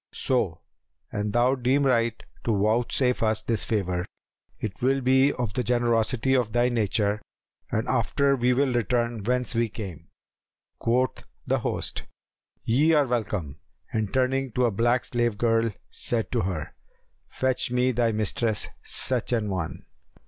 So, an thou deem right to vouchsafe us this favour, it will be of the generosity of thy nature, and after we will return whence we came." Quoth the host, "Ye are welcome;" and, turning to a black slave girl, said to her, "Fetch me thy mistress such an one."